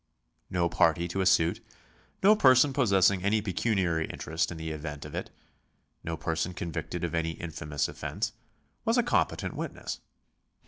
No party to a suit, no person possessing any pecuniary in terest in the event of it, no person convicted of any infamous offence, was a competent witness.